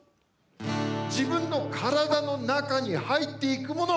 「自分の体の中に入っていくもの」